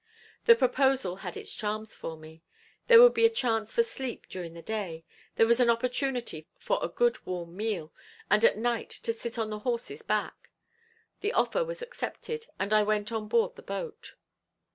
The proposal had its charms for me. There would be a chance for sleep during the day, there was an opportunity for a good warm meal, and at night to sit on the horse's back. The offer was accepted and I went on board the boat.